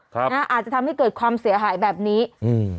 ครับนะอาจจะทำให้เกิดความเสียหายแบบนี้อืม